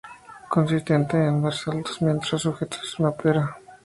Consistente en dar saltos mientras sujetas una pera.